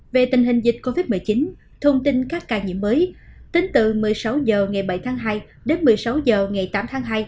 về tình hình dịch covid một mươi chín thông tin các ca nhiễm mới tính từ một mươi sáu h ngày bảy tháng hai đến một mươi sáu h ngày tám tháng hai